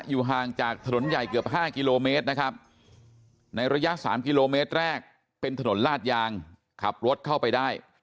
อยู่ห่างจากถนนใหญ่เกือบ๕กิโลเมตรนะครับในระยะ๓กิโลเมตรแรกเป็นถนนลาดยางขับรถเข้าไปได้